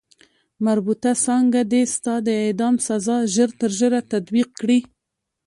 مربوطه څانګه دې ستا د اعدام سزا ژر تر ژره تطبیق کړي.